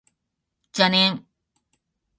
邪念